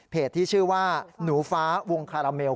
ที่ชื่อว่าหนูฟ้าวงคาราเมล